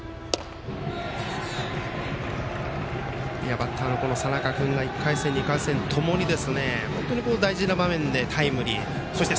バッターの佐仲君が１回戦、２回戦ともにともに本当に大事な場面でタイムリー。